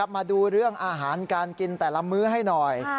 มาดูเรื่องอาหารการกินแต่ละมื้อให้หน่อย